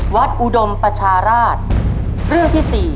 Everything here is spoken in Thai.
๓วัดอุดมปัชฌาหราช